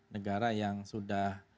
negara yang sudah